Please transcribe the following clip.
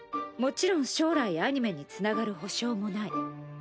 もちろん将来アニメにつながる保証もない。